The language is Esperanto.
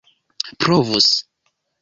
provus